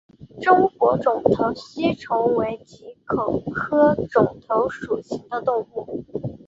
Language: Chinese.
中国肿头吸虫为棘口科肿头属的动物。